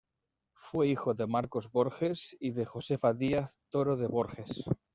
Fue hijo de Marcos Borges y de Josefa Díaz Toro de Borges.